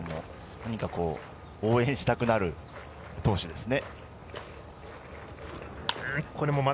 何か応援したくなる投手ですね。